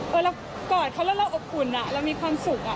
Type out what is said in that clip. เรากอดเขาแล้วเราอบอุ่นเรามีความสุขอะ